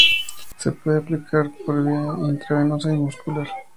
Se puede aplicar por vía intravenosa y muscular.